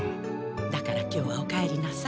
だから今日はお帰りなさい。